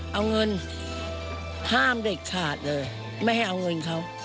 เอาเงินห้ามเด็ดขาดเลยไม่ให้เอาเงินเขา